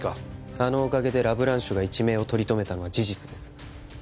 あのおかげでラ・ブランシュが一命を取り留めたのは事実です